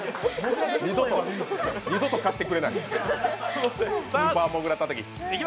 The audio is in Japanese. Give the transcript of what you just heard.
二度と貸してくれない、「スーパーモグラたたき」。